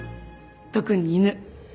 特に犬。